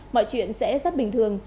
mọi chuyện sẽ rất bình thường